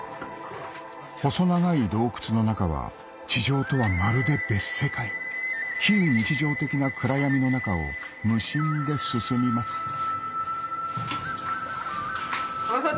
細長い洞窟の中は地上とはまるで別世界非日常的な暗闇の中を無心で進みます村田さん